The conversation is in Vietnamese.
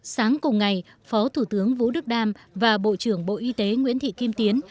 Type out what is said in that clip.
sáng cùng ngày phó thủ tướng vũ đức đam và bộ trưởng bộ y tế nguyễn thị kim tiến